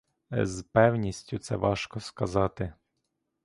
З певністю це важко сказати.